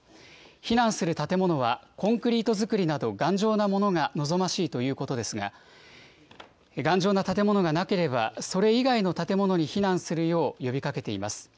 避難する建物は、コンクリート造りなど、頑丈なものが望ましいということですが、頑丈な建物がなければ、それ以外の建物に避難するよう呼びかけています。